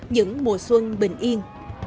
những mùa xuân bình yên